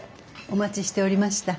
お待ちしておりました。